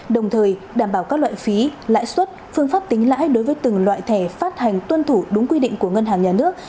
đồng thời đảm bảo các loại phí lãi suất phương pháp tính lãi đối với từng loại thẻ phát hành tuân thủ đúng quy định của ngân hàng nhà nước